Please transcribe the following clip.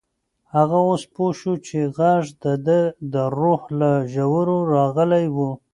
هغه اوس پوه شو چې غږ د ده د روح له ژورو راغلی و.